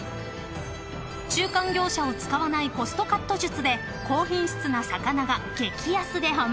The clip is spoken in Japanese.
［中間業者を使わないコストカット術で高品質な魚が激安で販売できるそうです］